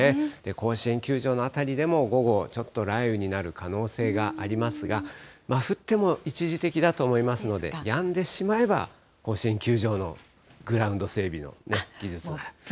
甲子園球場の辺りでも午後、ちょっと雷雨になる可能性がありますが、降っても一時的だと思いますので、やんでしまえば、甲子園球場のグラウンド整備の技術。